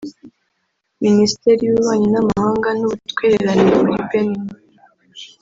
Minisiteri y’Ububanyi n’Amahanga n’Ubutwererane muri Benin